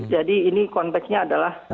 jadi ini konteksnya adalah